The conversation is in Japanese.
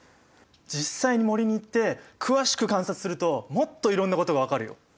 実際に森に行って詳しく観察するともっといろんなことが分かるよ。